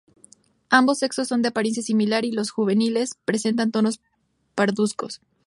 Ambos sexos son de apariencia similar y los juveniles presentan tonos parduzcos.